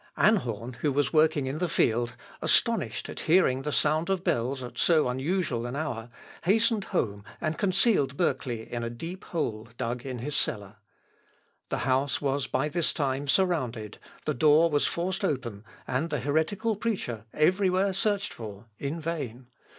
Anhorn, who was working in the field, astonished at hearing the sound of bells at so unusual an hour, hastened home and concealed Burkli in a deep hole dug in his cellar. The house was by this time surrounded; the door was forced open, and the heretical preacher everywhere searched for in vain.